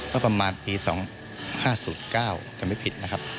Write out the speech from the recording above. ก็ประมาณปี๒๕๐๙จำไม่ผิดนะครับ